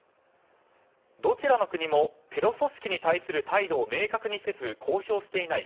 どちらの国もテロ組織に対する態度を明確にせず公表していない。